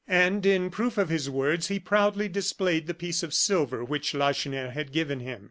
And in proof of his words, he proudly displayed the piece of silver which Lacheneur had given him.